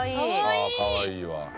ああかわいいわ。